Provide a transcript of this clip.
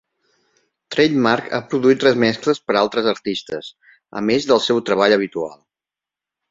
Trademark ha produït remescles per a altres artistes, a més del seu treball habitual.